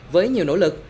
với nhiều nỗ lực